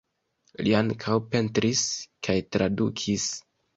Li ankaŭ pentris kaj tradukis.